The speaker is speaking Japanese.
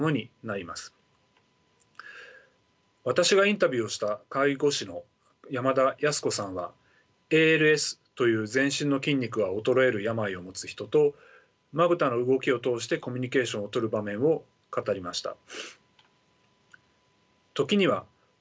私がインタビューをした介護士の山田康子さんはＡＬＳという全身の筋肉が衰える病を持つ人とまぶたの動きを通してコミュニケーションをとる場面を語りました。